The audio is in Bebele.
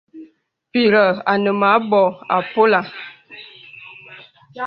Pìghə̀ ane mə anbô àpolə̀.